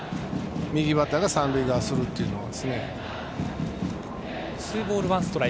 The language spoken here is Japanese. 右バッターが三塁側にするというのは。